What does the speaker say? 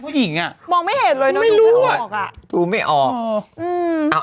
ผู้หญิงอ่ะ